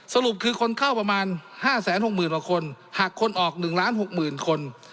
สรุปคือคนเข้าประมาณ๕๖๐๐๐กว่าคนหักคนออก๑๖๐๐๐คน